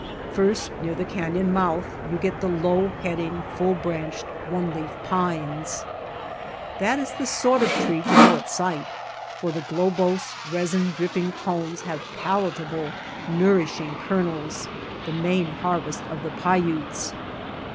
First, near the canon mouth you get the low heading full branched, one leaf pines. That is the sort of tree to know at sight, for the globose, resin dripping cones have palatable, nourishing 187 THE STREETS OF THE MOUNTAINS i.. M :p. kernels, the main harvest of the Paiutes.